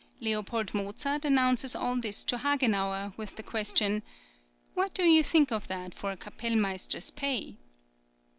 Leopold Mozart announces all this to Hagenauer, with the question: "What do you think of that for a Kapellmeister's pay?"